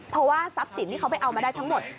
เพราะว่าทรัพย์สินที่เขาไปเอามาได้ทั้งหมด